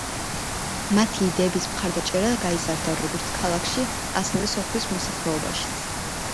მათი იდეების მხარდაჭერა გაიზარდა, როგორც ქალაქში ასევე სოფლის მოსახლეობაშიც.